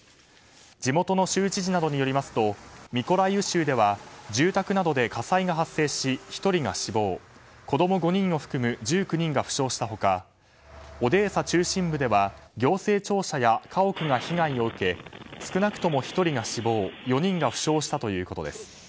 地元の州知事などによりますとミコライウ州では住宅などで火災が発生し１人が死亡子供５人を含む１９人が負傷した他オデーサ中心部では行政庁舎や家屋が被害を受け少なくとも１人が死亡４人が負傷したということです。